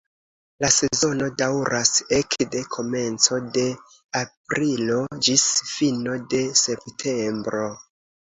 La sezono daŭras ekde komenco de aprilo ĝis fino de septembro.